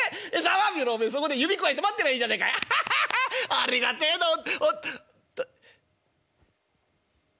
ありがてえな。ほ」。